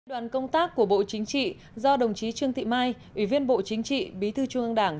đoàn công tác của bộ chính trị do đồng chí trương thị mai ủy viên bộ chính trị bí thư trung ương đảng